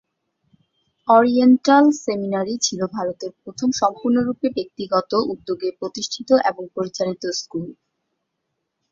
Oriental seminary ছিল ভারতের প্রথম সম্পূর্ণরূপে ব্যক্তিগত উদ্যোগে প্রতিষ্ঠিত ও পরিচালিত স্কুল।